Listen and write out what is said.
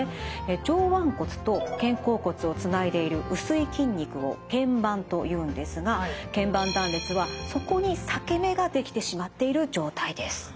上腕骨と肩甲骨をつないでいる薄い筋肉をけん板というんですがけん板断裂はそこに裂け目が出来てしまっている状態です。